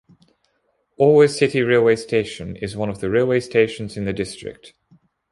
Alwar city railway station is one of the railway stations in the district.